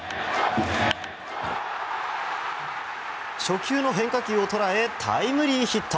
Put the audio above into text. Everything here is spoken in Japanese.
初球の変化球を捉えタイムリーヒット。